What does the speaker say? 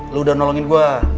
lo udah nolongin gue